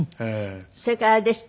それからあれですって？